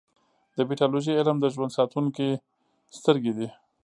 د پیتالوژي علم د ژوند ساتونکې سترګې دي.